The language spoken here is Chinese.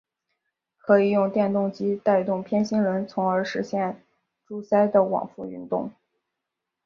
可以用电动机带动偏心轮从而实现柱塞的往复运动。